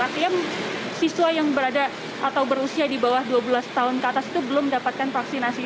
artinya siswa yang berada atau berusia di bawah dua belas tahun ke atas itu belum mendapatkan vaksinasi